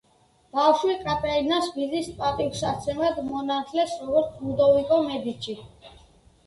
ბავშვი კატერინას ბიძის პატივსაცემად მონათლეს როგორც ლუდოვიკო მედიჩი.